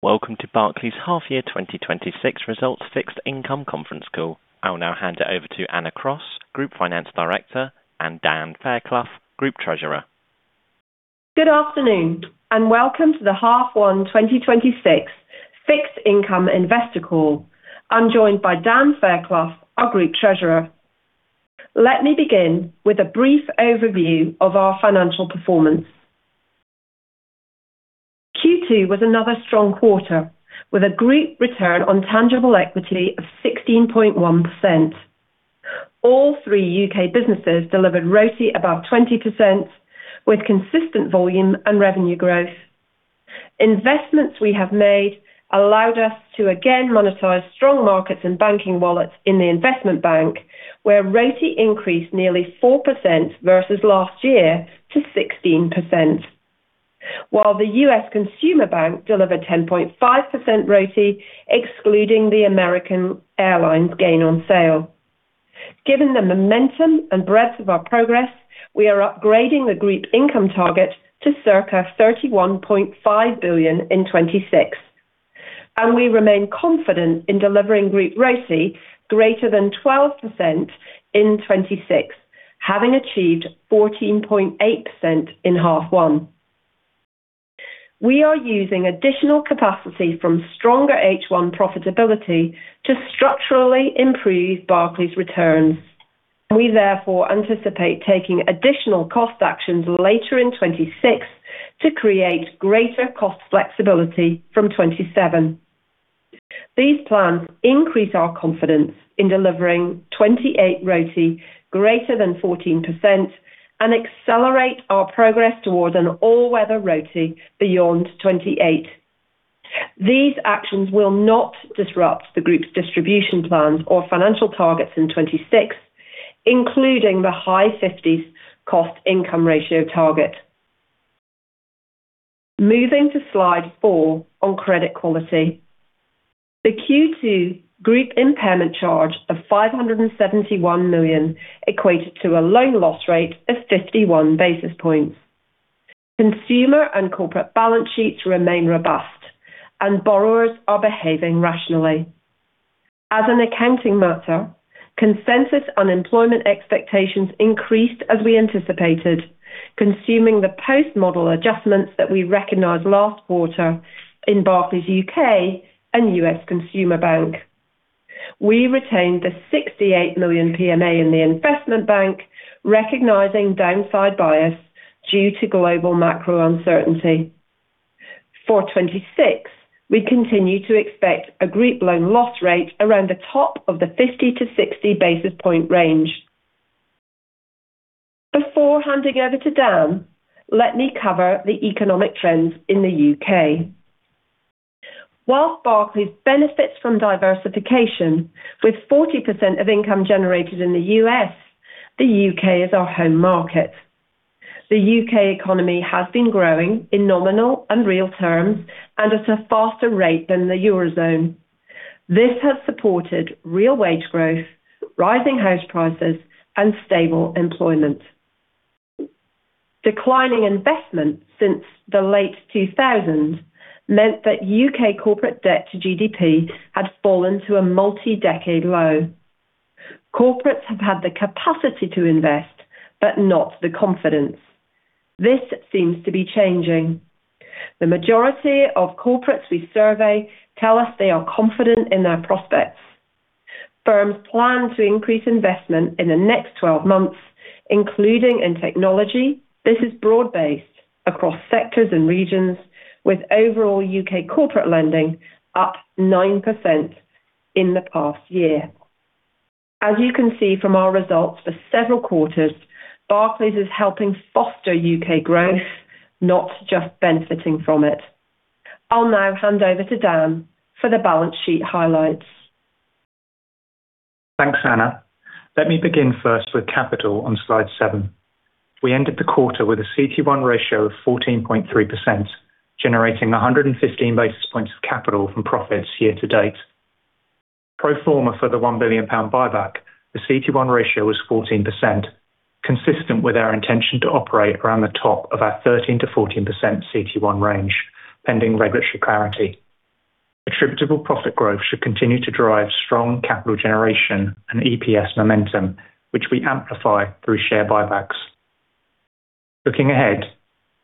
Welcome to Barclays' Half-Year 2026 Results Fixed Income Conference Call. I will now hand it over to Anna Cross, Group Finance Director, and Dan Fairclough, Group Treasurer. Good afternoon, welcome to the half one 2026 fixed income investor call. I'm joined by Dan Fairclough, our Group Treasurer. Let me begin with a brief overview of our financial performance. Q2 was another strong quarter, with a group return on tangible equity of 16.1%. All three U.K. businesses delivered ROTI above 20%, with consistent volume and revenue growth. Investments we have made allowed us to again monetize strong markets and banking wallets in the investment bank, where ROTI increased nearly 4% versus last year to 16%, while the U.S. Consumer Bank delivered 10.5% ROTI, excluding the American Airlines gain on sale. Given the momentum and breadth of our progress, we are upgrading the group income target to circa 31.5 billion in 2026, and we remain confident in delivering group ROTI greater than 12% in 2026, having achieved 14.8% in half one. We are using additional capacity from stronger H1 profitability to structurally improve Barclays' returns. We therefore anticipate taking additional cost actions later in 2026 to create greater cost flexibility from 2027. These plans increase our confidence in delivering 2028 ROTI greater than 14% and accelerate our progress towards an all-weather ROTI beyond 2028. These actions will not disrupt the group's distribution plans or financial targets in 2026, including the high 50s cost-income ratio target. Moving to slide four on credit quality. The Q2 group impairment charge of 571 million equated to a loan loss rate of 51 basis points. Consumer and corporate balance sheets remain robust, and borrowers are behaving rationally. As an accounting matter, consensus unemployment expectations increased as we anticipated, consuming the post-model adjustments that we recognized last quarter in Barclays U.K. and U.S. Consumer Bank. We retained the 68 million PMA in the investment bank, recognizing downside bias due to global macro uncertainty. For 2026, we continue to expect a group loan loss rate around the top of the 50-60 basis point range. Before handing over to Dan, let me cover the economic trends in the U.K. Whilst Barclays benefits from diversification, with 40% of income generated in the U.S., the U.K. is our home market. The U.K. economy has been growing in nominal and real terms, at a faster rate than the Eurozone. This has supported real wage growth, rising house prices, and stable employment. Declining investment since the late 2000s meant that U.K. corporate debt to GDP had fallen to a multi-decade low. Corporates have had the capacity to invest, but not the confidence. This seems to be changing. The majority of corporates we survey tell us they are confident in their prospects. Firms plan to increase investment in the next 12 months, including in technology. This is broad-based across sectors and regions, with overall U.K. corporate lending up 9% in the past year. As you can see from our results for several quarters, Barclays is helping foster U.K. growth, not just benefiting from it. I'll now hand over to Dan for the balance sheet highlights. Thanks, Anna. Let me begin first with capital on slide seven. We ended the quarter with a CET1 ratio of 14.3%, generating 115 basis points of capital from profits year to date. Pro forma for the 1 billion pound buyback, the CET1 ratio was 14%, consistent with our intention to operate around the top of our 13%-14% CET1 range, pending regulatory clarity. Attributable profit growth should continue to drive strong capital generation and EPS momentum, which we amplify through share buybacks. Looking ahead,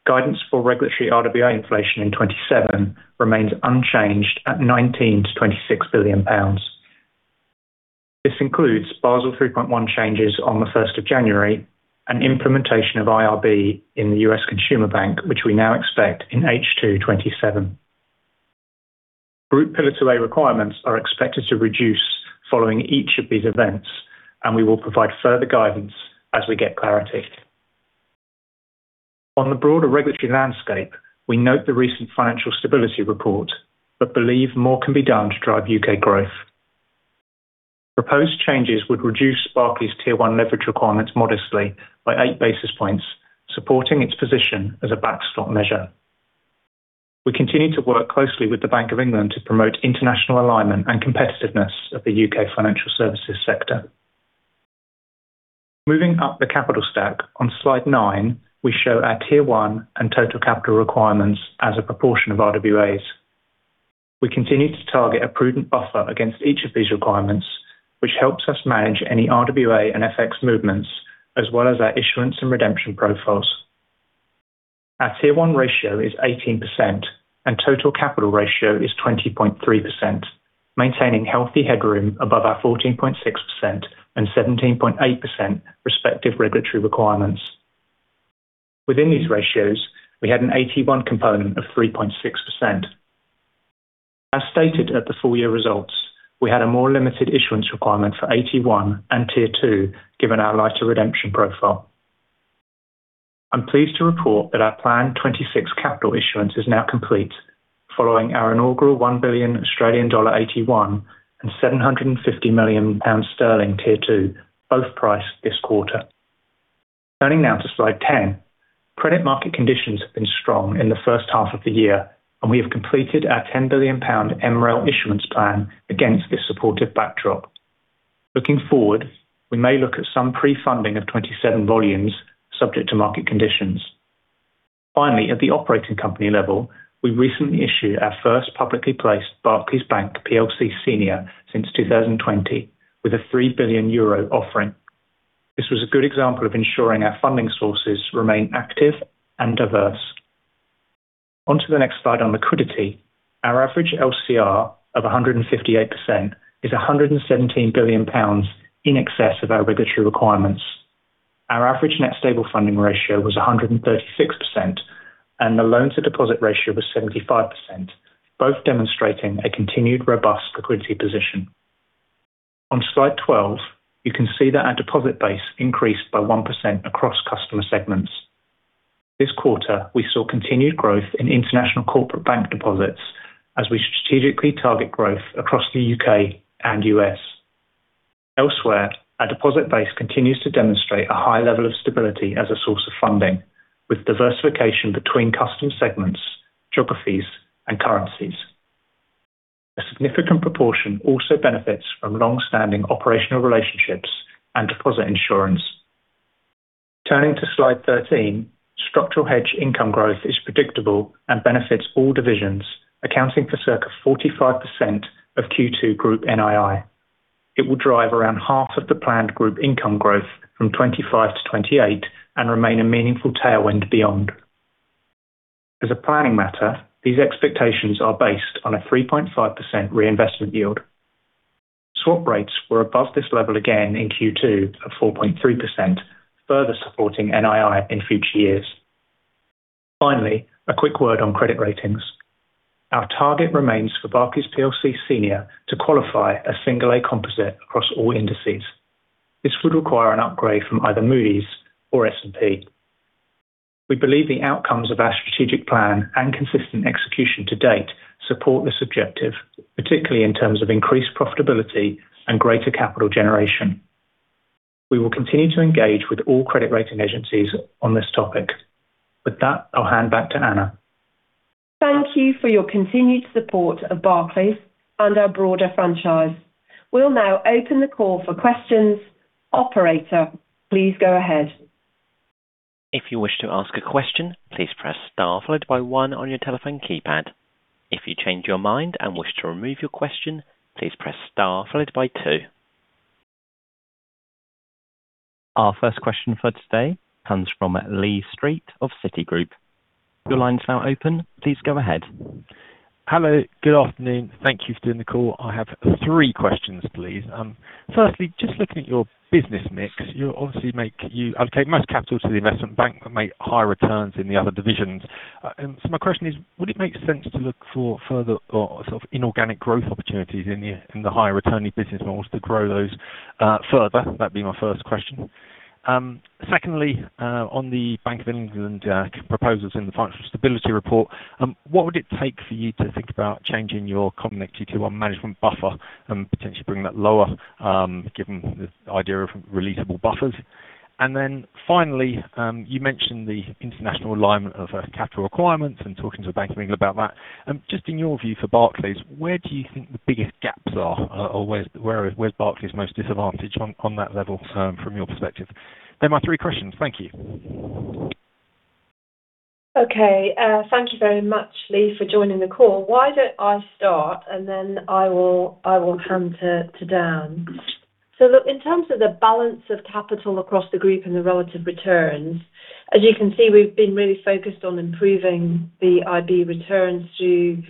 guidance for regulatory RWA inflation in 2027 remains unchanged at 19 billion-26 billion pounds. This includes Basel 3.1 changes on the 1st of January and implementation of IRB in the U.S. Consumer Bank, which we now expect in H2 2027. Group Pillar 2A requirements are expected to reduce following each of these events, and we will provide further guidance as we get clarity. On the broader regulatory landscape, we note the recent Financial Stability Report, but believe more can be done to drive U.K. growth. Proposed changes would reduce Barclays' Tier 1 leverage requirements modestly by 8 basis points, supporting its position as a backstop measure. We continue to work closely with the Bank of England to promote international alignment and competitiveness of the U.K. financial services sector. Moving up the capital stack, on slide nine, we show our Tier 1 and total capital requirements as a proportion of RWAs. We continue to target a prudent buffer against each of these requirements, which helps us manage any RWA and FX movements, as well as our issuance and redemption profiles. Our Tier 1 ratio is 18% and total capital ratio is 20.3%, maintaining healthy headroom above our 14.6% and 17.8% respective regulatory requirements. Within these ratios, we had an AT1 component of 3.6%. As stated at the full year results, we had a more limited issuance requirement for AT1 and Tier 2, given our lighter redemption profile. I'm pleased to report that our Plan 2026 capital issuance is now complete, following our inaugural 1 billion Australian dollar AT1 and 750 million pounds Tier 2, both priced this quarter. Turning now to slide 10. Credit market conditions have been strong in the first half of the year, and we have completed our 10 billion pound MREL issuance plan against this supportive backdrop. Looking forward, we may look at some pre-funding of 2027 volumes subject to market conditions. Finally, at the operating company level, we recently issued our first publicly placed Barclays Bank PLC Senior since 2020, with a 3 billion euro offering. This was a good example of ensuring our funding sources remain active and diverse. Onto the next slide on liquidity. Our average LCR of 158% is 117 billion pounds in excess of our regulatory requirements. Our average net stable funding ratio was 136%, and the loan-to-deposit ratio was 75%, both demonstrating a continued robust liquidity position. On slide 12, you can see that our deposit base increased by 1% across customer segments. This quarter, we saw continued growth in International Corporate Bank deposits as we strategically target growth across the U.K. and U.S. Elsewhere, our deposit base continues to demonstrate a high level of stability as a source of funding, with diversification between customer segments, geographies, and currencies. A significant proportion also benefits from long-standing operational relationships and deposit insurance. Turning to slide 13, structural hedge income growth is predictable and benefits all divisions, accounting for circa 45% of Q2 Group NII. It will drive around half of the planned group income growth from 2025 to 2028 and remain a meaningful tailwind beyond. As a planning matter, these expectations are based on a 3.5% reinvestment yield. Swap rates were above this level again in Q2 of 4.3%, further supporting NII in future years. A quick word on credit ratings. Our target remains for Barclays PLC Senior to qualify a single A composite across all indices. This would require an upgrade from either Moody's or S&P. We believe the outcomes of our strategic plan and consistent execution to date support this objective, particularly in terms of increased profitability and greater capital generation. We will continue to engage with all credit rating agencies on this topic. With that, I'll hand back to Anna. Thank you for your continued support of Barclays and our broader franchise. We'll now open the call for questions. Operator, please go ahead. If you wish to ask a question, please press star followed by one on your telephone keypad. If you change your mind and wish to remove your question, please press star followed by two. Our first question for today comes from Lee Street of Citigroup. Your line's now open. Please go ahead. Hello. Good afternoon. Thank you for doing the call. I have three questions, please. Firstly, just looking at your business mix, you allocate most capital to the investment bank but make higher returns in the other divisions. My question is, would it make sense to look for further inorganic growth opportunities in the higher returning business models to grow those further? That'd be my first question. Secondly, on the Bank of England proposals in the Financial Stability Report, what would it take for you to think about changing your common equity Tier 1 management buffer and potentially bring that lower, given the idea of releasable buffers? Finally, you mentioned the international alignment of capital requirements and talking to the Bank of England about that. Just in your view for Barclays, where do you think the biggest gaps are? Or where is Barclays most disadvantaged on that level from your perspective? They're my three questions. Thank you. Okay. Thank you very much, Lee, for joining the call. Why don't I start and then I will hand to Dan. Look, in terms of the balance of capital across the group and the relative returns, as you can see, we've been really focused on improving the IB returns through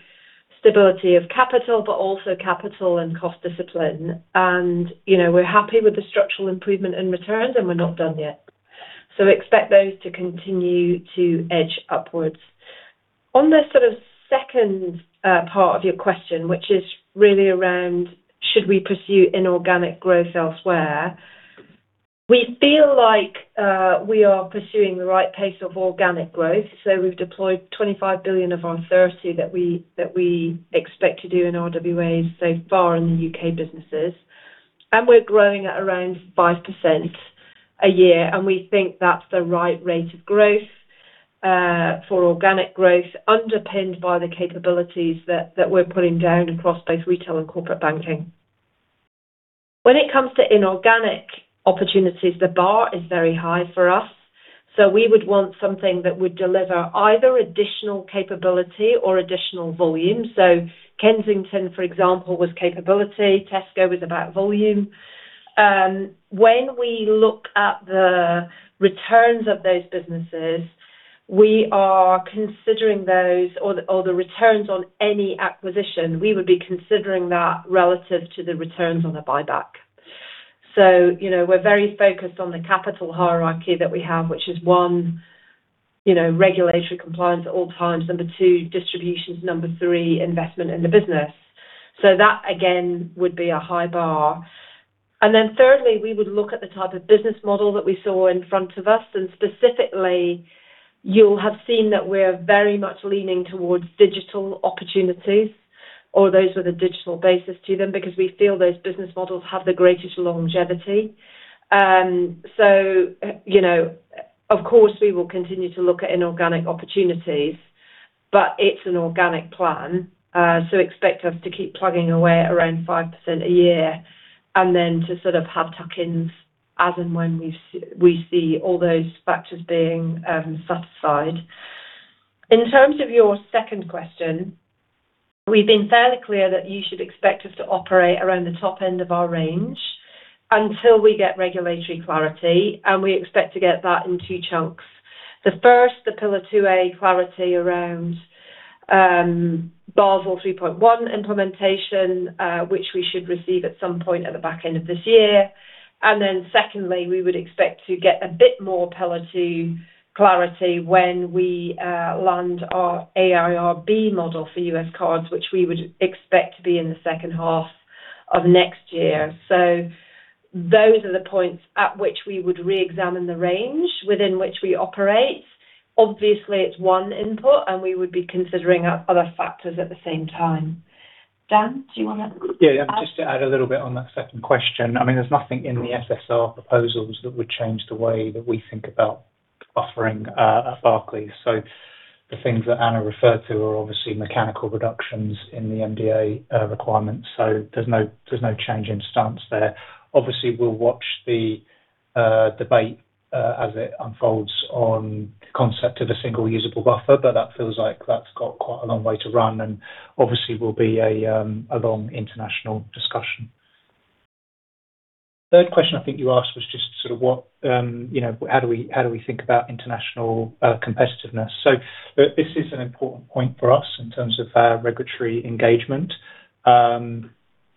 stability of capital, but also capital and cost discipline. We're happy with the structural improvement in returns, and we're not done yet. Expect those to continue to edge upwards. On the second part of your question, which is really around should we pursue inorganic growth elsewhere, we feel like we are pursuing the right pace of organic growth. We've deployed 25 billion of our 30 billion that we expect to do in RWAs so far in the U.K. businesses. We're growing at around 5% a year, and we think that's the right rate of growth for organic growth, underpinned by the capabilities that we're putting down across both retail and corporate banking. When it comes to inorganic opportunities, the bar is very high for us. We would want something that would deliver either additional capability or additional volume. Kensington, for example, was capability. Tesco was about volume. When we look at the returns of those businesses, we are considering those, or the returns on any acquisition, we would be considering that relative to the returns on the buyback. We're very focused on the capital hierarchy that we have, which is one, regulatory compliance at all times. Number two, distributions. Number three, investment in the business. That, again, would be a high bar. Thirdly, we would look at the type of business model that we saw in front of us, and specifically, you'll have seen that we're very much leaning towards digital opportunities or those with a digital basis to them, because we feel those business models have the greatest longevity. Of course we will continue to look at inorganic opportunities, but it's an organic plan, so expect us to keep plugging away at around 5% a year and then to sort of have tuck-ins as and when we see all those factors being satisfied. In terms of your second question, we've been fairly clear that you should expect us to operate around the top end of our range until we get regulatory clarity, and we expect to get that in two chunks. The first, the Pillar 2A clarity around Basel 3.1 implementation, which we should receive at some point at the back end of this year. Secondly, we would expect to get a bit more Pillar 2 clarity when we land our A-IRB model for U.S. cards, which we would expect to be in the second half of next year. So those are the points at which we would reexamine the range within which we operate. Obviously, it's one input, and we would be considering other factors at the same time. Dan, do you want to add? Yeah. Just to add a little bit on that second question. There's nothing in the FSR proposals that would change the way that we think about buffering at Barclays. So the things that Anna referred to are obviously mechanical reductions in the MDA requirements, so there's no change in stance there. Obviously, we'll watch the debate as it unfolds on the concept of a single usable buffer, but that feels like that's got quite a long way to run, and obviously will be a long international discussion. Third question I think you asked was just sort of how do we think about international competitiveness. So this is an important point for us in terms of our regulatory engagement.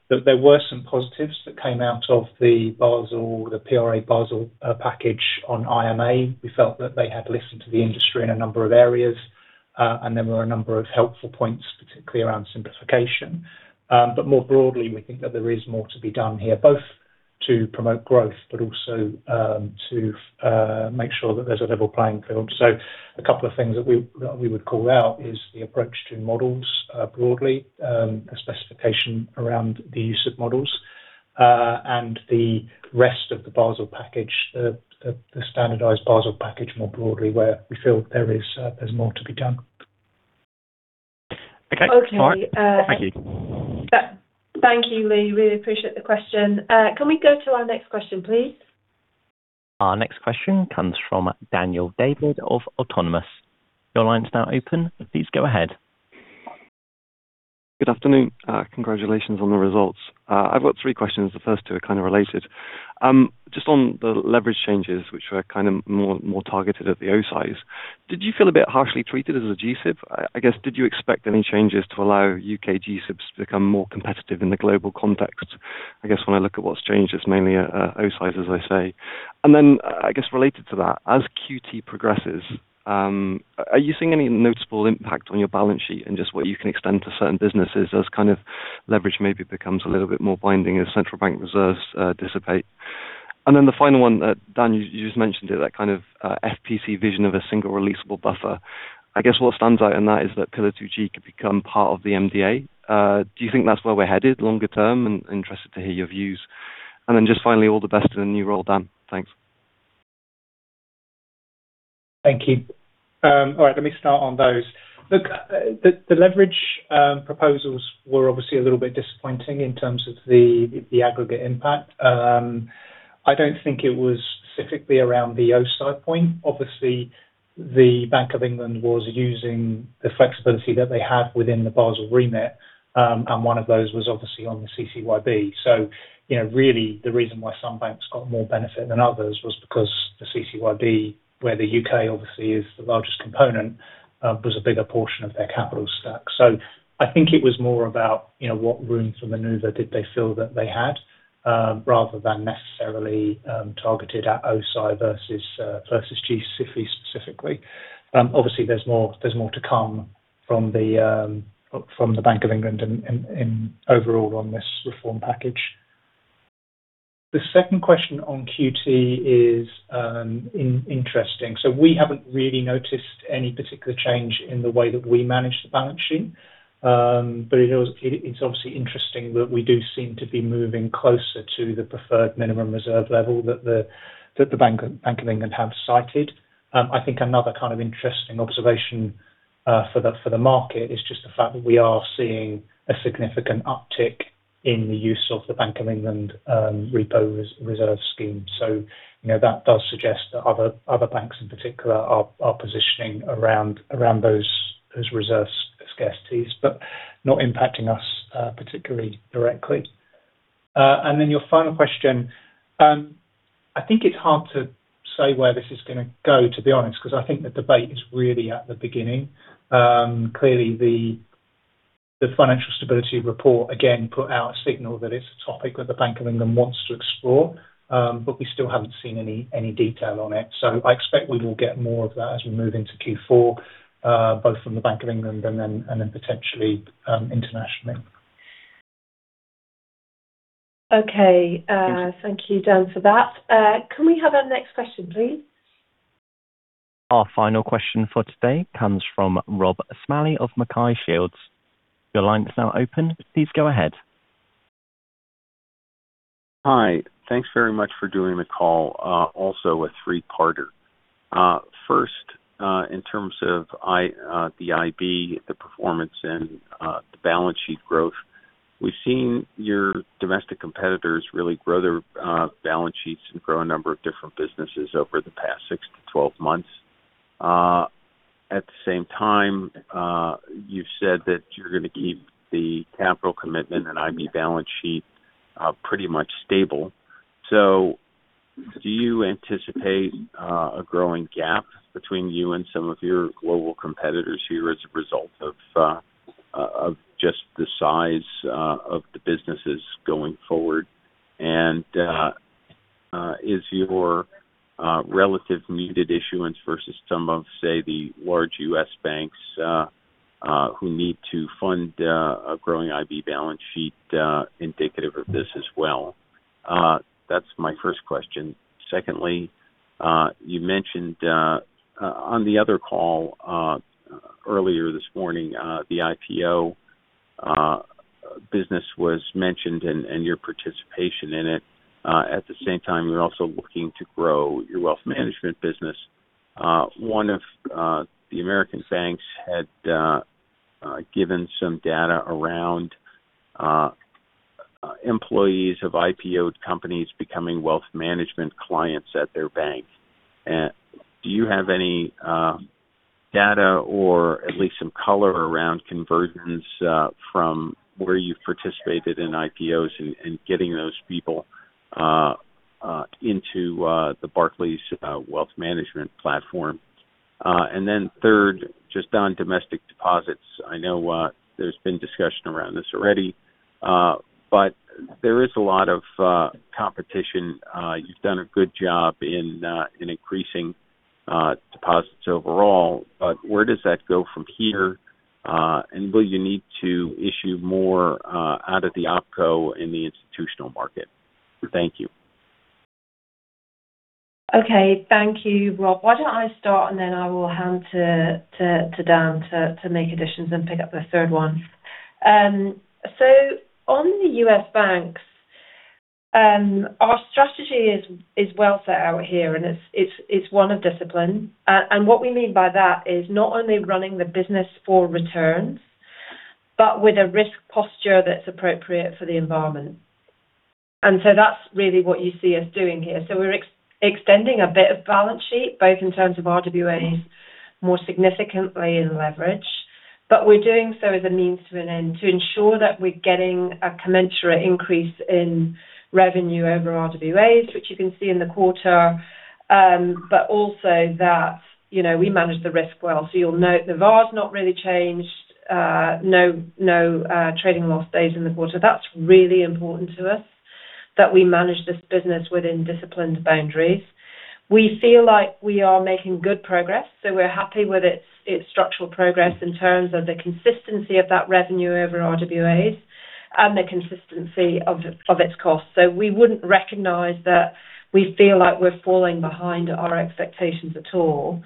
There were some positives that came out of the PRA Basel package on IMA. We felt that they had listened to the industry in a number of areas, and there were a number of helpful points, particularly around simplification. More broadly, we think that there is more to be done here, both to promote growth, but also to make sure that there's a level playing field. So a couple of things that we would call out is the approach to models broadly, a specification around the use of models, and the rest of the standardized Basel package more broadly, where we feel there's more to be done. Okay. All right. Thank you. Thank you, Lee. Really appreciate the question. Can we go to our next question, please? Our next question comes from Daniel David of Autonomous. Your line's now open. Please go ahead. Good afternoon. Congratulations on the results. I've got three questions. The first two are kind of related. Just on the leverage changes, which were kind of more targeted at the O-SIIs. Did you feel a bit harshly treated as a G-SIB? I guess, did you expect any changes to allow U.K. G-SIBs to become more competitive in the global context? I guess when I look at what's changed, it's mainly O-SIIs, as I say. I guess related to that, as QT progresses, are you seeing any noticeable impact on your balance sheet and just what you can extend to certain businesses as leverage maybe becomes a little bit more binding as central bank reserves dissipate? The final one, Dan, you just mentioned it, that kind of FPC vision of a single releasable buffer. I guess what stands out in that is that Pillar 2B could become part of the MDA. Do you think that's where we're headed longer term? I'm interested to hear your views. Just finally, all the best in the new role, Dan. Thanks. Thank you. All right. Look, the leverage proposals were obviously a little bit disappointing in terms of the aggregate impact. I don't think it was specifically around the O-SII point. The Bank of England was using the flexibility that they had within the Basel remit, and one of those was obviously on the CCyB. The reason why some banks got more benefit than others was because the CCyB, where the U.K. obviously is the largest component, was a bigger portion of their capital stack. I think it was more about what room for maneuver did they feel that they had, rather than necessarily targeted at O-SII versus G-SIB specifically. There's more to come from the Bank of England and overall on this reform package. The second question on QT is interesting. We haven't really noticed any particular change in the way that we manage the balance sheet. It's obviously interesting that we do seem to be moving closer to the preferred minimum reserve level that the Bank of England have cited. I think another kind of interesting observation for the market, it's just the fact that we are seeing a significant uptick in the use of the Bank of England repo reserve scheme. That does suggest that other banks in particular are positioning around those reserves scarcities, but not impacting us particularly directly. Your final question. I think it's hard to say where this is going to go, to be honest, because I think the debate is really at the beginning. The Financial Stability Report, again, put out a signal that it's a topic that the Bank of England wants to explore, but we still haven't seen any detail on it. I expect we will get more of that as we move into Q4, both from the Bank of England and then potentially internationally. Okay. Thank you, Dan, for that. Can we have our next question, please? Our final question for today comes from Rob Smalley of MacKay Shields. Your line is now open. Please go ahead. Hi. Thanks very much for doing the call. Also a three-parter. First, in terms of the IB, the performance and the balance sheet growth, we've seen your domestic competitors really grow their balance sheets and grow a number of different businesses over the past 6-12 months. At the same time, you've said that you're going to keep the capital commitment and IB balance sheet pretty much stable. Do you anticipate a growing gap between you and some of your global competitors here as a result of just the size of the businesses going forward? Is your relative needed issuance versus some of, say, the large U.S. banks who need to fund a growing IB balance sheet indicative of this as well? That's my first question. Secondly, you mentioned on the other call earlier this morning, the IPO business was mentioned and your participation in it. At the same time, you're also looking to grow your wealth management business. One of the American banks had given some data around employees of IPO companies becoming wealth management clients at their bank. Do you have any data or at least some color around convergence from where you participated in IPOs and getting those people into the Barclays wealth management platform? Then third, just on domestic deposits. I know there's been discussion around this already. There is a lot of competition. You've done a good job in increasing deposits overall, but where does that go from here? Will you need to issue more out of the OpCo in the institutional market? Thank you. Okay. Thank you, Rob. Why don't I start, then I will hand to Dan to make additions and pick up the third one. On the U.S. banks, our strategy is well set out here, and it's one of discipline. What we mean by that is not only running the business for returns, but with a risk posture that's appropriate for the environment. That's really what you see us doing here. We're extending a bit of balance sheet, both in terms of RWAs, more significantly in leverage. We're doing so as a means to an end to ensure that we're getting a commensurate increase in revenue over RWAs, which you can see in the quarter, but also that we manage the risk well. You'll note the VaR's not really changed. No trading loss days in the quarter. That is really important to us, that we manage this business within disciplined boundaries. We feel like we are making good progress, so we are happy with its structural progress in terms of the consistency of that revenue over RWAs and the consistency of its cost. We wouldn't recognize that we feel like we are falling behind our expectations at all.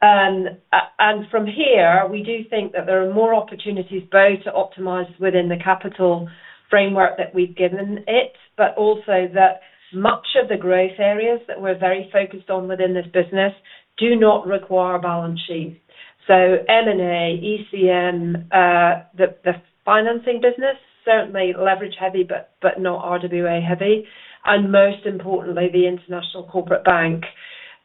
From here, we do think that there are more opportunities both to optimize within the capital framework that we've given it, but also that much of the growth areas that we are very focused on within this business do not require balance sheet. M&A, ECM, the financing business, certainly leverage heavy but not RWA heavy, and most importantly, the International Corporate Bank.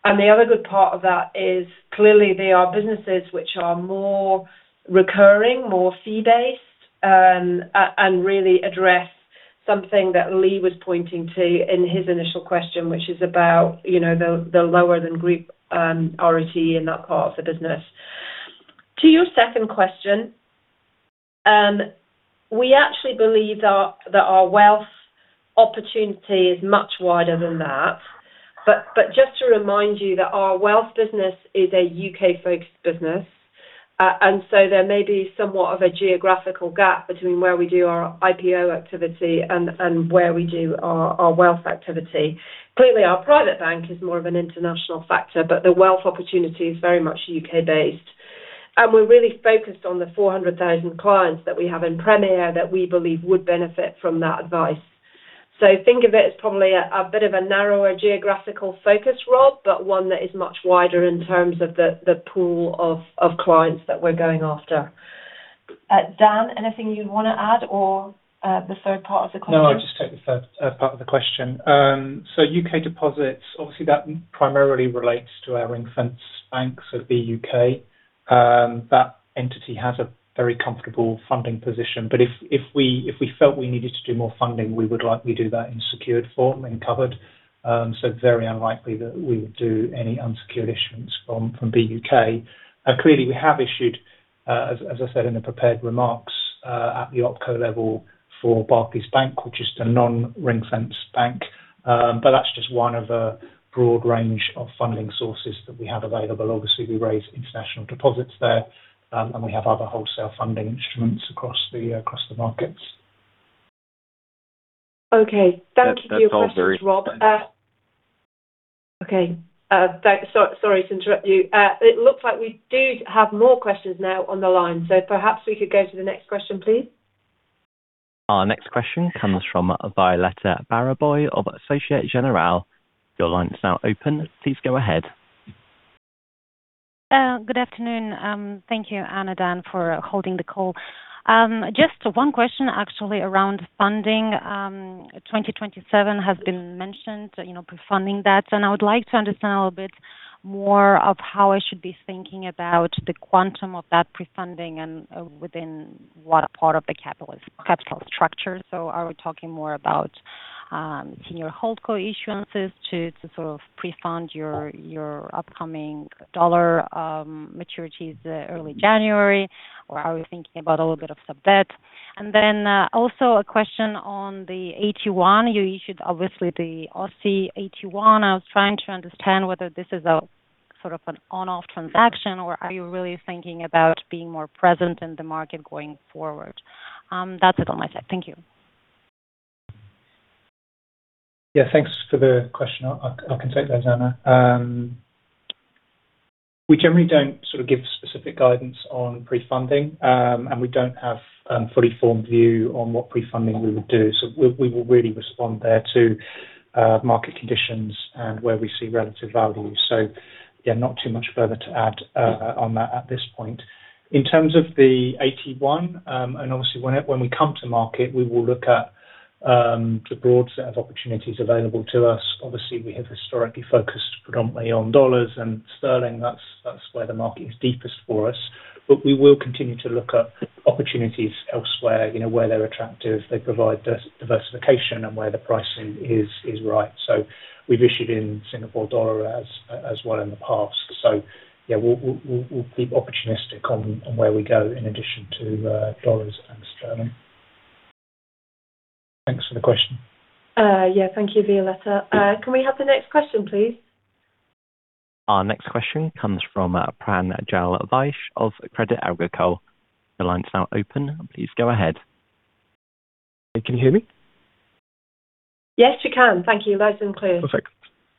The other good part of that is clearly they are businesses which are more recurring, more fee-based, and really address something that Lee was pointing to in his initial question, which is about the lower than group RoTE in that part of the business. To your second question, we actually believe that our wealth opportunity is much wider than that. Just to remind you that our wealth business is a U.K.-focused business. There may be somewhat of a geographical gap between where we do our IPO activity and where we do our wealth activity. Clearly, our private bank is more of an international factor, but the wealth opportunity is very much U.K.-based. We are really focused on the 400,000 clients that we have in Premier that we believe would benefit from that advice. Think of it as probably a bit of a narrower geographical focus, Rob, but one that is much wider in terms of the pool of clients that we are going after. Dan, anything you'd want to add? The third part of the question. No, I will just take the third part of the question. U.K. deposits, obviously that primarily relates to our ring-fence banks at BUK. That entity has a very comfortable funding position. If we felt we needed to do more funding, we would likely do that in secured form and covered. Very unlikely that we would do any unsecured issuance from BUK. Clearly, we have issued, as I said in the prepared remarks, at the OpCo level for Barclays Bank, which is the non-ring-fence bank. That is just one of a broad range of funding sources that we have available. Obviously, we raise international deposits there, we have other wholesale funding instruments across the markets. Okay. Thank you for your question, Rob. That's all. Okay. Sorry to interrupt you. It looks like we do have more questions now on the line. Perhaps we could go to the next question, please. Our next question comes from Violeta Baraboi of Société Générale. Your line is now open. Please go ahead. Good afternoon. Thank you, Anna, Dan, for holding the call. One question actually around funding. 2027 has been mentioned, pre-funding that. I would like to understand a little bit more of how I should be thinking about the quantum of that pre-funding and within what part of the capital structure. Are we talking more about senior HoldCo issuances to pre-fund your upcoming GBP maturities early January? Are we thinking about a little bit of subdebt? Also a question on the AT1. You issued, obviously, the Aussie AT1. I was trying to understand whether this is an on-off transaction, or are you really thinking about being more present in the market going forward? That's it on my side. Thank you. Thanks for the question. I can take those, Anna. We generally don't give specific guidance on pre-funding, and we don't have a fully formed view on what pre-funding we would do. We will really respond there to market conditions and where we see relative value. Not too much further to add on that at this point. In terms of the AT1, obviously when we come to market, we will look at the broad set of opportunities available to us. Obviously, we have historically focused predominantly on dollars and sterlings. That's where the market is deepest for us. But we will continue to look at opportunities elsewhere, where they're attractive, they provide diversification, and where the pricing is right. We've issued in SGD as well in the past. We'll keep opportunistic on where we go in addition to dollars and sterling. Thanks for the question. Thank you, Violeta. Can we have the next question, please? Our next question comes from Pranjal Vaish of Crédit Agricole. Your line is now open. Please go ahead. Can you hear me? Yes, we can. Thank you. Loud and clear.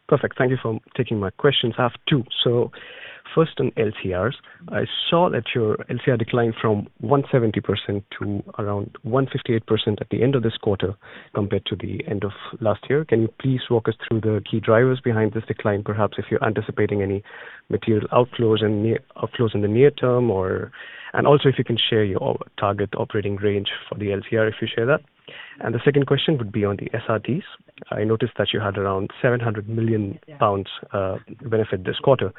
Perfect. Thank you for taking my questions. I have two. First on LCRs. I saw that your LCR declined from 170% to around 158% at the end of this quarter compared to the end of last year. Can you please walk us through the key drivers behind this decline, perhaps if you're anticipating any material outflows in the near term, and also if you can share your target operating range for the LCR, if you share that. The second question would be on the SRTs. I noticed that you had around 700 million pounds benefit this quarter.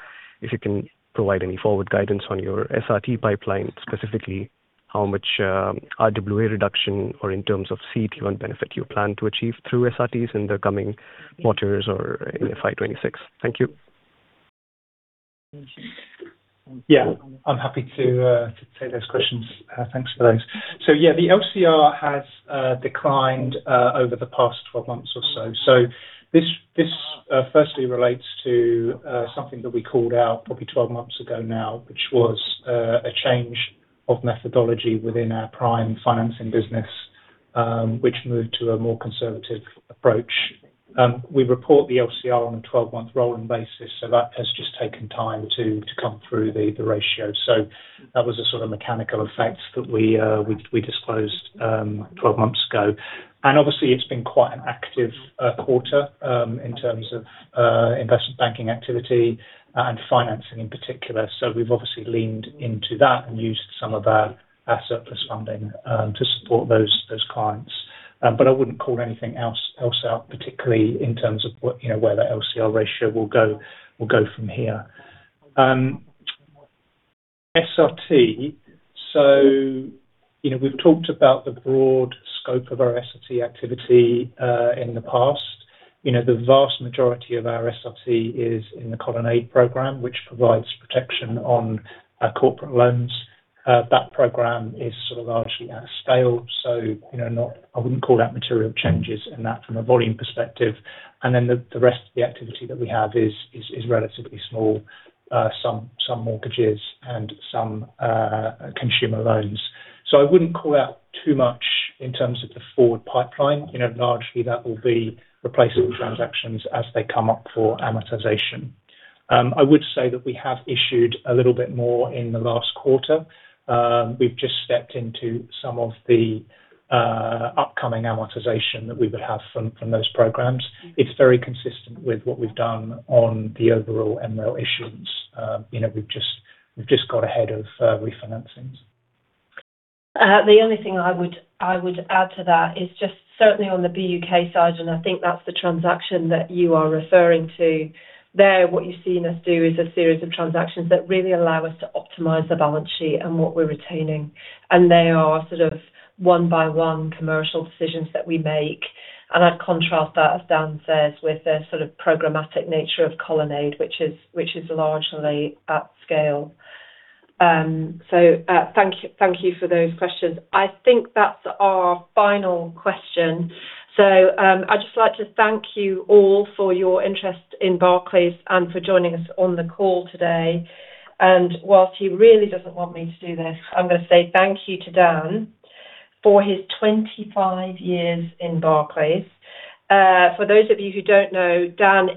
If you can provide any forward guidance on your SRT pipeline, specifically how much RWA reduction or in terms of CET1 benefit you plan to achieve through SRTs in the coming quarters or in FY 2026. Thank you. Yeah, I'm happy to take those questions. Thanks for those. Yeah, the LCR has declined over the past 12 months or so. This firstly relates to something that we called out probably 12 months ago now, which was a change of methodology within our prime financing business, which moved to a more conservative approach. We report the LCR on a 12-month rolling basis, so that has just taken time to come through the ratio. That was a sort of mechanical effect that we disclosed 12 months ago. Obviously it's been quite an active quarter in terms of investment banking activity and financing in particular. We've obviously leaned into that and used some of our surplus funding to support those clients. I wouldn't call anything else out, particularly in terms of where the LCR ratio will go from here. SRT. We've talked about the broad scope of our SRT activity in the past. The vast majority of our SRT is in the Colonnade program, which provides protection on our corporate loans. That program is largely at scale, so I wouldn't call that material changes in that from a volume perspective. Then the rest of the activity that we have is relatively small. Some mortgages and some consumer loans. I wouldn't call out too much in terms of the forward pipeline. Largely that will be replacement transactions as they come up for amortization. I would say that we have issued a little bit more in the last quarter. We've just stepped into some of the upcoming amortization that we would have from those programs. It's very consistent with what we've done on the overall MREL issuance. We've just got ahead of refinancings. The only thing I would add to that is just certainly on the BUK side, and I think that's the transaction that you are referring to. There, what you've seen us do is a series of transactions that really allow us to optimize the balance sheet and what we're retaining, and they are one by one commercial decisions that we make. I'd contrast that, as Dan says, with the programmatic nature of Colonnade, which is largely at scale. Thank you for those questions. I think that's our final question. I'd just like to thank you all for your interest in Barclays and for joining us on the call today. Whilst he really doesn't want me to do this, I'm going to say thank you to Dan for his 25 years in Barclays. For those of you who don't know, Dan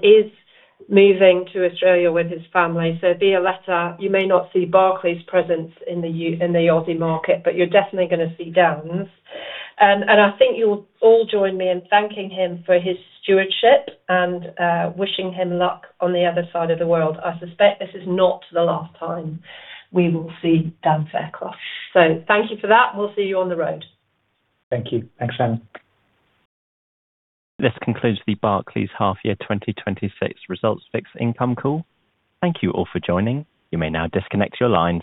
is moving to Australia with his family. Violeta, you may not see Barclays presence in the Aussie market, but you're definitely going to see Dan's. I think you'll all join me in thanking him for his stewardship and wishing him luck on the other side of the world. I suspect this is not the last time we will see Dan Fairclough. Thank you for that. We'll see you on the road. Thank you. Thanks, Anna. This concludes the Barclays half year 2026 results fixed income call. Thank you all for joining. You may now disconnect your line.